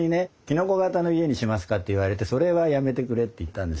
「きのこ形の家にしますか？」って言われて「それはやめてくれ」って言ったんですよ。